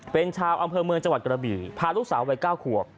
เป็นชาวอำเภอเมืองจังหวัดกระบี่พาลูกสาววัย๙ขวบ